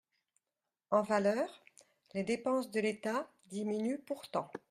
En valeur, les dépenses de l’État diminuent pourtant.